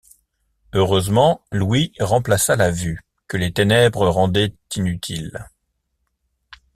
Heureusement, l’ouïe remplaça la vue, que les ténèbres rendaient inutile.